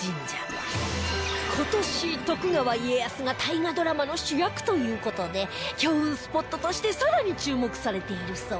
今年徳川家康が大河ドラマの主役という事で強運スポットとして更に注目されているそう